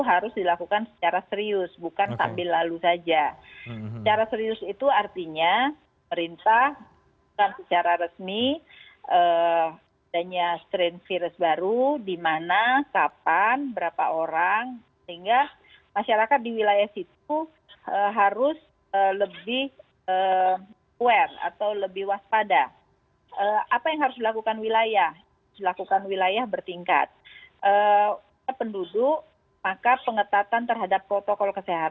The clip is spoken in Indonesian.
apakah sebelumnya rekan rekan dari para ahli epidemiolog sudah memprediksi bahwa temuan ini sebetulnya sudah ada di indonesia